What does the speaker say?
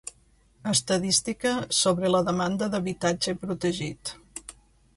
Estadística sobre la demanda d'habitatge protegit.